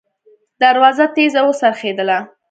دروازه تېزه وڅرخېدله.